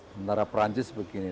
tentara perancis begini